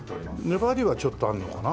粘りはちょっとあるのかな？